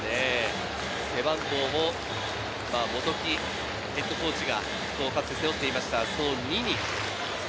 背番号も元木ヘッドコーチが背負っていました、２に。